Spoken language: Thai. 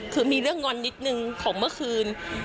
คือมีเรื่องงอนนิดนึงของเมื่อคืน